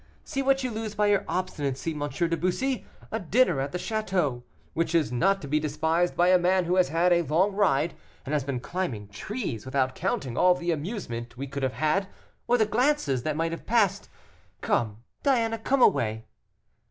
See what you lose by your obstinacy, M. de Bussy, a dinner at the château, which is not to be despised by a man who has had a long ride, and has been climbing trees, without counting all the amusement we could have had, or the glances that might have passed. Come, Diana, come away."